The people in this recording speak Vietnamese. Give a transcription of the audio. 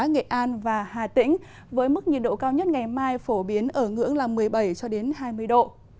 nghệ an và hà tĩnh với mức nhiệt độ cao nhất ngày mai phổ biến ở ngưỡng một mươi bảy hai mươi độ